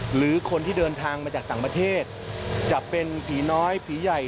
หรือคนที่เดินทางมาจากต่างประเทศจะเป็นผีน้อยผีใหญ่